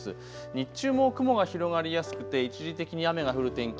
日中も雲が広がりやすくて一時的に雨が降る天気。